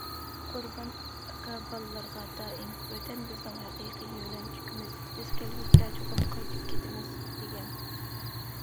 قۇربان ئاكا بالىلىرىغا دائىم‹‹ ۋەتەن بىزنىڭ ھەقىقىي يۆلەنچۈكىمىز، بىز كەلگۈسىدە چوقۇم قايتىپ كېتىمىز›› دېگەن.